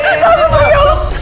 gak mau bang